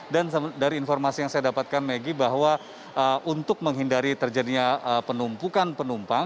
dan dari informasi yang saya dapatkan maggie bahwa untuk menghindari terjadinya penumpukan penumpang